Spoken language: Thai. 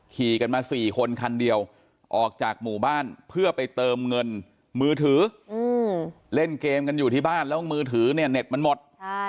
ขี่กันมา๔คนคันเดียวออกจากหมู่บ้านเพื่อไปเติมเงินมือถือเล่นเกมกันอยู่ที่บ้านแล้วมือถือเนี่ยเน็ตมันหมด